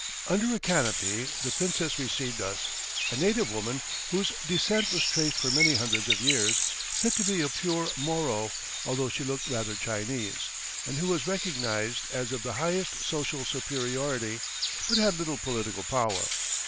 Under a canopy the Princess received us, a native woman whose descent was traced for many hundreds of years said to be a pure Moro, although she looked rather Chinese and who was recognized as of the highest social superiority, but had little political power.